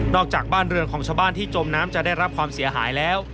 อกจากบ้านเรือนของชาวบ้านที่จมน้ำจะได้รับความเสียหายแล้ว